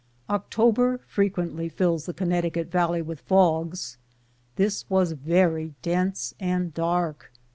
October frequently fills the Connecticut valley with fogs. This was very dense and dark.